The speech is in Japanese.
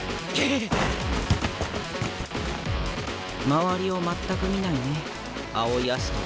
周りを全く見ないね青井葦人。